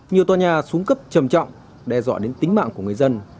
nhiều tòa nhà xuống cấp trầm trọng đe dọa đến tính mạng của người dân